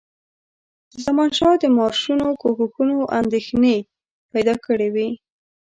د زمانشاه د مارشونو کوښښونو اندېښنې پیدا کړي وې.